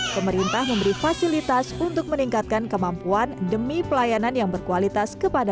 pemerintah memberi fasilitas untuk meningkatkan kemampuan demi pelayanan yang berkualitas kepada